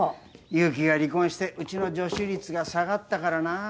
勇気が離婚してうちの女子率が下がったからな。